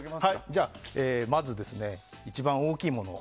じゃあ、まずは一番大きいものを。